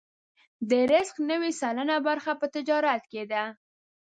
د رزق نوې سلنه برخه په تجارت کې ده.